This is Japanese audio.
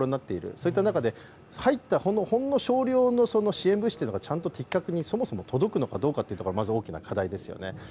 そういった中で、入った少量の支援物資というのが的確に、そもそも届くのかどうかがまず大きな課題ですよね。